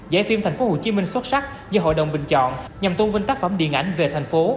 giải phim tp hcm xuất sắc do hội đồng bình chọn nhằm tôn vinh tác phẩm điện ảnh về thành phố